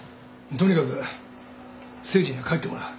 とにかく誠治には帰ってもらう。